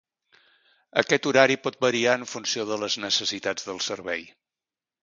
Aquest horari pot variar en funció de les necessitats del servei.